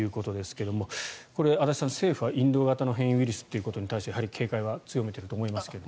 これ、足立さん政府はインド型のウイルスということについてはやはり、警戒は強めていると思いますけれども。